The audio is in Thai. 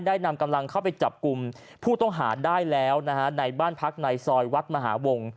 นำกำลังเข้าไปจับกลุ่มผู้ต้องหาได้แล้วนะฮะในบ้านพักในซอยวัดมหาวง